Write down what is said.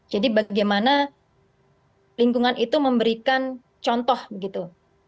jadi bagaimana lingkungan itu memberikan contoh begitu